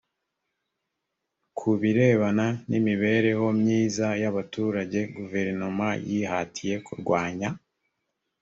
ku birebana n imibereho myiza y abaturage guverinoma yihatiye kurwanya